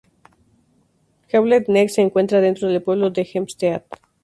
Hewlett Neck se encuentra dentro del pueblo de Hempstead.